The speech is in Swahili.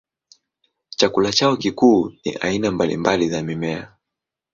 Chakula chao kikuu ni aina mbalimbali za mimea.